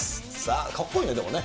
かっこいいね、でもね。